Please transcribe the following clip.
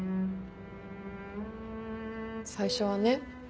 最初はね